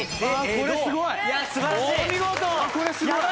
これすごい！